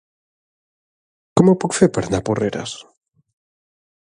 Com ho puc fer per anar a Porreres?